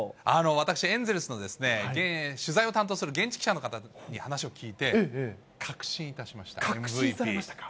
私、エンゼルスの取材を担当する現地記者の方に話を聞いて、確信いた確信されましたか？